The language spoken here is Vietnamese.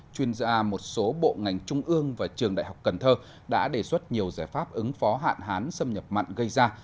chuyên gia một số bộ ngành trung ương và trường đại học cần thơ đã đề xuất nhiều giải pháp ứng phó hạn hán xâm nhập mặn gây ra